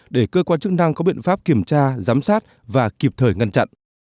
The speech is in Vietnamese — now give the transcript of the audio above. để cơ quan chức năng có biện pháp kiểm tra giám sát và kịp thời ngăn chặn